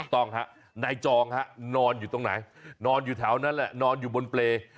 ต้องฮะนายจองฮะนอนอยู่ตรงไหนนอนอยู่แถวนั้นแหละนอนอยู่บนเปรย์